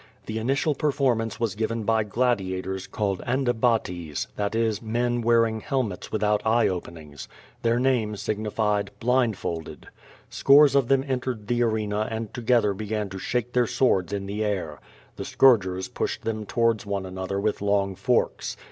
The initial performance was given by gladiators called Anda bates, that is, men wearing helmets without eye openings. Their name signified "blindfolded." Scores of them entered the arena and together began to shake their swords in the air. The scourgers pushed them towards one another with long forks.